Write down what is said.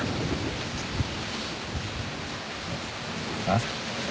あっ？